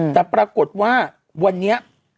แต่ปรากฏว่าวันนี้